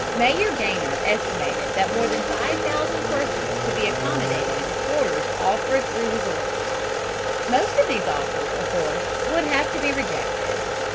Mayor Gaynor estimated that more than 5000 persons could be accommodated in quarters offered through his orders. Most of these offers of course would have to be rejected.